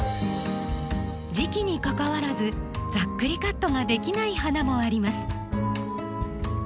時期にかかわらずざっくりカットができない花もあります。